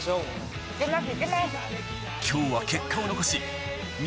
今日は結果を残し